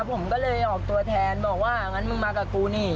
ผมก็เลยออกตัวแทนบอกว่างั้นมึงมากับกูนี่